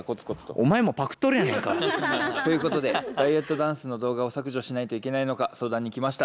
お前もパクっとるやないか。ということでダイエットダンスの動画を削除しないといけないのか相談に来ました。